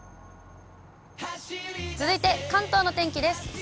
続いて関東の天気です。